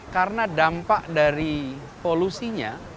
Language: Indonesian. karena dampak dari polusinya